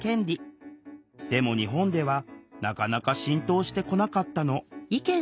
でも日本ではなかなか浸透してこなかったの。